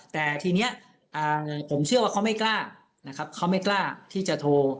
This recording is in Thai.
แต่ทีนี้ผมเชื่อว่าเขาไม่กล้านะครับเขาไม่กล้าที่จะโทร